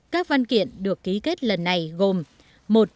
các văn kiện được ký kết lần này gồm